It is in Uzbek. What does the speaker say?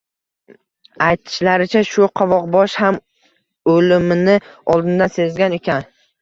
Aytishlaricha, shu qovoqbosh ham o`limini oldindan sezgan ekan